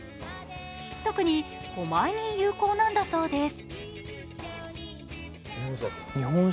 特に古米に有効なんだそうです。